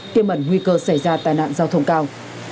tiêm ẩn nguy cơ xảy ra tai nạn giao thông cao